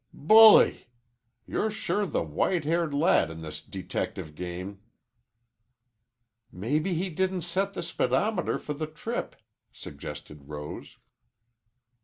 "Bully! You're sure the white haired lad in this deteckative game." "Maybe he didn't set the speedometer for the trip," suggested Rose.